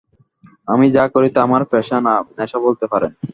আমি যা করি তা আমার পেশা না-নেশা বলতে পারেন।